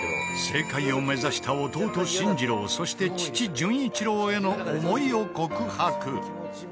政界を目指した弟進次郎そして父純一郎への思いを告白。